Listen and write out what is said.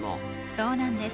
そうなんです。